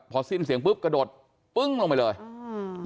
พอสิ้นเสียงปุ๊บกระโดดปึ้งลงไปเลยอืม